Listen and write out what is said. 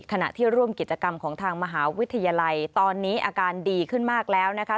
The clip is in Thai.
ขณะที่ร่วมกิจกรรมของทางมหาวิทยาลัยตอนนี้อาการดีขึ้นมากแล้วนะคะ